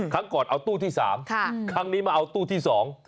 ครั้งก่อนเอาตู้ที่๓ครั้งนี้มาเอาตู้ที่๒